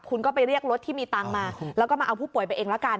คุณก็ไปเรียกรถที่มีตังค์มาแล้วก็มาเอาผู้ป่วยไปเองละกัน